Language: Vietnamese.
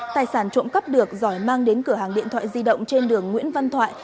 tài sản trộm cắp được giỏi mang đến cửa hàng điện thoại di động trên đường nguyễn văn thoại